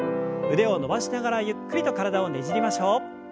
腕を伸ばしながらゆっくりと体をねじりましょう。